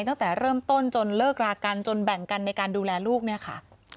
ตั้งแต่เริ่มต้นจนเลิกรากันจนแบ่งกันในการดูแลลูกเนี่ยค่ะ